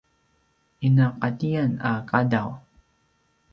inaqatiyan a qadaw